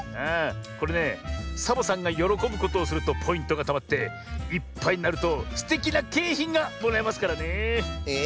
これねサボさんがよろこぶことをするとポイントがたまっていっぱいになるとすてきなけいひんがもらえますからねえ。